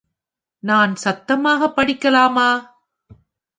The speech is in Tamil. நான் சத்தமாக படிக்கலாமா?